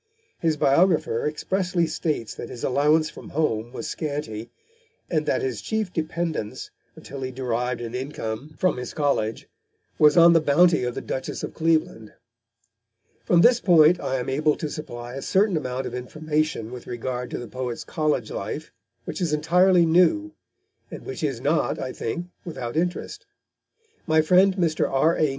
His biographer expressly states that his allowance from home was scanty, and that his chief dependence, until he derived an income from his college, was on the bounty of the Duchess of Cleveland. From this point I am able to supply a certain amount of information with regard to the poet's college life which is entirely new, and which is not, I think, without interest. My friend Mr. R.A.